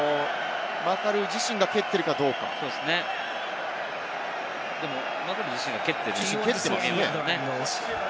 マカルー自身が蹴っていでもマカルー自身が蹴っていますね。